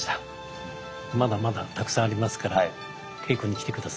まだまだたくさんありますから稽古に来て下さい。